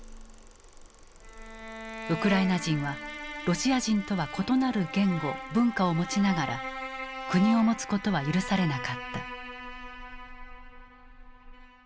ウクライナ人はロシア人とは異なる言語文化を持ちながら国を持つことは許されなかった。